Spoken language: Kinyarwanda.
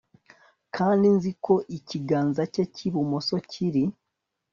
kandi nzi ko ikiganza cye cyibumoso kiri